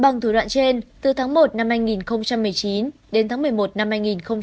bằng thủ đoạn trên từ tháng một năm hai nghìn một mươi chín đến tháng một mươi một năm hai nghìn hai mươi